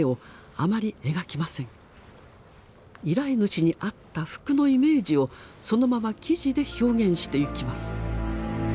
依頼主に合った服のイメージをそのまま生地で表現していきます。